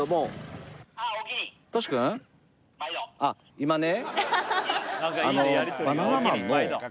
今ね